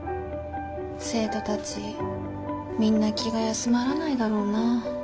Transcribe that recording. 生徒たちみんな気が休まらないだろうな。